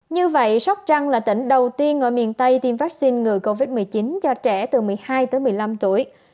như vậy sóc trăng là tỉnh đầu tiên ở miền tây tiêm vaccine người covid một mươi chín cho trẻ từ một mươi hai một mươi năm tuổi